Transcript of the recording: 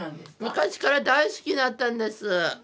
昔から大好きだったんです。